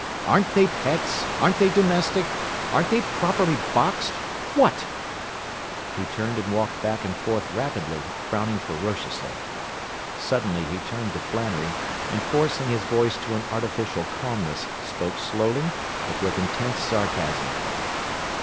Aren't they pets? Aren't they domestic? Aren't they properly boxed? What?” He turned and walked back and forth rapidly; frowning ferociously. Suddenly he turned to Flannery, and forcing his voice to an artificial calmness spoke slowly but with intense sarcasm.